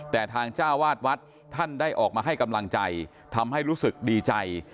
แต่ทางเจ้าวาดวัดท่านได้ออกมาให้กำลังใจทำให้รู้สึกดีใจ